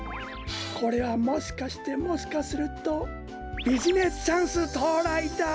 これはもしかしてもしかするとビジネスチャンスとうらいだ！